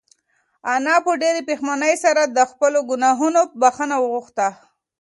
انا په ډېرې پښېمانۍ سره د خپلو گناهونو بښنه وغوښته.